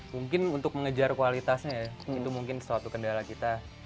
mungkin untuk mengejar kualitasnya ya itu mungkin suatu kendala kita